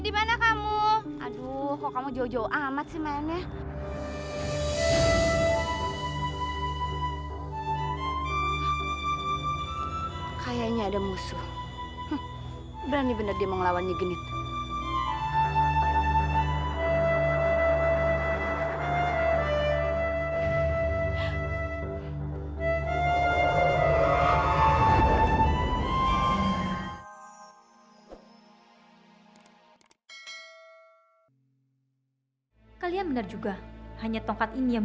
sampai jumpa di video selanjutnya